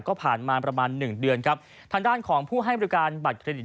ก็ผ่านมาประมาณหนึ่งเดือนครับทางด้านของผู้ให้บริการบัตรเครดิต